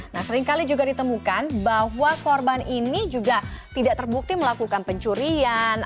nah seringkali juga ditemukan bahwa korban ini juga tidak terbukti melakukan pencurian